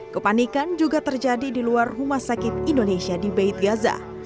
kepanikan juga terjadi di luar rumah sakit indonesia di beid gaza